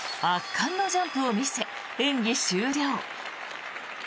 圧巻のジャンプを見せ演技終了。